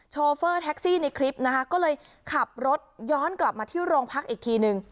โฟเฟอร์แท็กซี่ในคลิปนะคะก็เลยขับรถย้อนกลับมาที่โรงพักอีกทีนึง